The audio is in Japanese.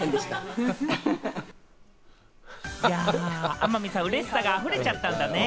天海さん、嬉しさが溢れちゃったんだね。